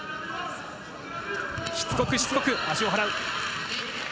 しつこくしつこく、足を払う。